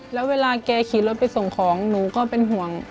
แล้วเวลาแกขี่รถไปส่งของหนูก็เป็นห่วง